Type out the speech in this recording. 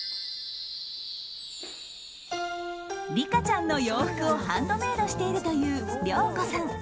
リカちゃんの洋服をハンドメイドしているというｒｙｏｋｏさん。